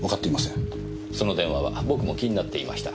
その電話は僕も気になっていました。